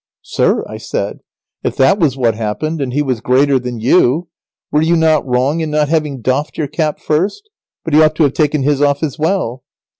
"Sir," I said, "if that was what happened, and he was greater than you, were you not wrong in not having doffed your cap first? but he ought to have taken his off as well."